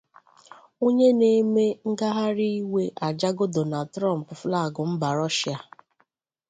Onye na-eme ngagharị iwe ajago Donald Trump flagụ mba Rọshịa